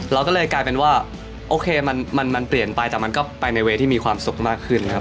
แล้วได้เลยกลายเป็นว่าโอเคมันเปลี่ยนไปแต่ก็ไปในที่มีความสุขมากขึ้น